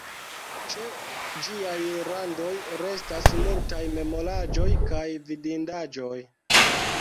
Ĉe ĝiaj randoj restas multaj memoraĵoj kaj vidindaĵoj.